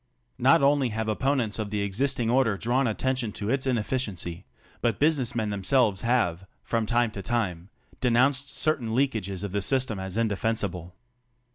Not only have opponents of the ' existing order drawn attention to its inefficiency, but business y^ men themselves have from time , to time denounced certain f leakages of the system as indefensible.